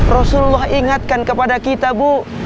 rasulullah ingatkan kepada kita bu